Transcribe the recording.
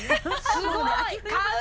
すごーい！